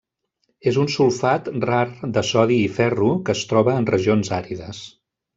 És un sulfat rar de sodi i ferro que es troba en regions àrides.